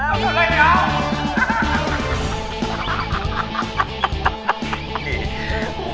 เอาทำได้แล้ว